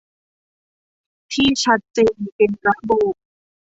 ที่ชัดเจนเป็นระบบ